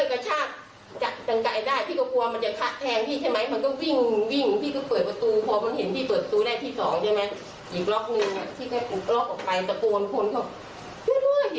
เอาไปออกทางนู้นเลย